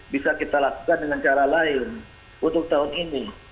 bisa kita lakukan dengan cara lain untuk tahun ini